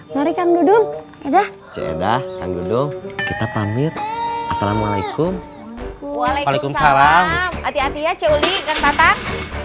mari kang dudung cik edah kang dudung kita pamit assalamualaikum waalaikumsalam hati hati ya cek uli kang tatang